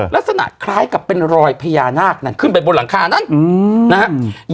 ลักษณะคล้ายกับเป็นรอยพญานาคนั้นขึ้นไปบนหลังคานั้นนะฮะ